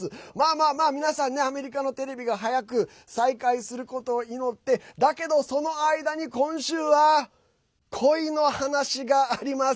まあまあ、皆さんねアメリカのテレビが早く再開することを祈ってだけど、その間に今週は恋の話があります。